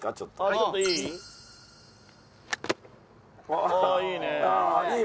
ああいいよ。